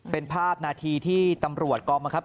เป็นภาพนาทีที่ตำรวจกองบังคับ